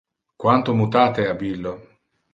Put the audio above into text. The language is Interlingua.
Quanto mutate ab illo!